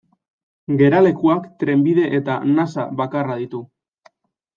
Geralekuak trenbide eta nasa bakarra ditu.